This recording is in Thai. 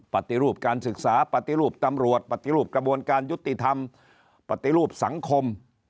ปฏิรูปการศึกษาปฏิรูปตำรวจปฏิรูปกระบวนการยุติธรรมปฏิรูปสังคม